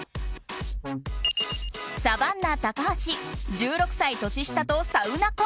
サバンナ高橋１６歳年下とサウナ婚！